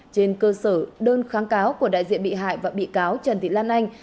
trên cơ sở đơn kháng cáo của đại diện bị hại và bị cáo trần thị lan anh